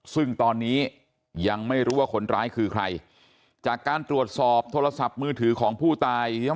ซึ่งตอนนี้ยังไม่รู้ว่าคนร้ายคือใครจากการตรวจสอบโทรศัพท์มือถือของผู้ตาย